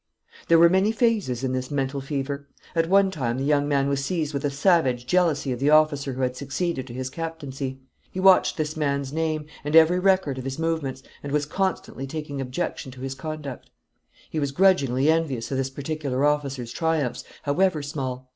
There were many phases in this mental fever. At one time the young man was seized with a savage jealousy of the officer who had succeeded to his captaincy. He watched this man's name, and every record of his movements, and was constantly taking objection to his conduct. He was grudgingly envious of this particular officer's triumphs, however small.